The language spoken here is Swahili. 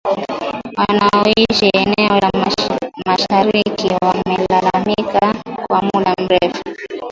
Wanaoishi eneo la mashariki wamelalamika kwa muda mrefu